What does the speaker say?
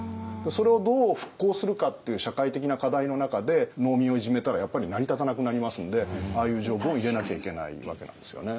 それをどう復興するかっていう社会的な課題の中で農民をいじめたらやっぱり成り立たなくなりますんでああいう条文を入れなきゃいけないわけなんですよね。